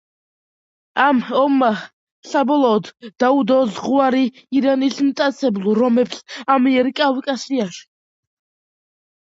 ამ ომმა საბოლოოდ დაუდო ზღვარი ირანის მტაცებლურ ომებს ამიერკავკასიაში.